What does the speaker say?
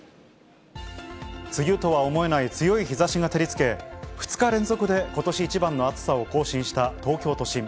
梅雨とは思えない強い日ざしが照りつけ、２日連続でことし一番の暑さを更新した東京都心。